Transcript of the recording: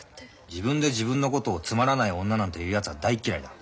自分で自分のことをつまらない女なんて言うやつは大っ嫌いだ。